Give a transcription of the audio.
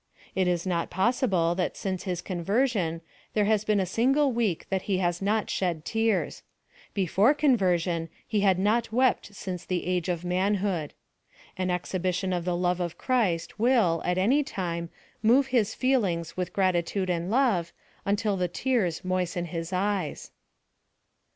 It is not probable, that since his conversioi,, there lias been a single week tnat he has not shed tears ; before conversion he had not wept since the age of manhood. An ex 16 252 PHILOSOPHY OP THE hibition of the love of Christ will, at any time,. move his feelings with gratitude and love, until the tears moisten his eyes.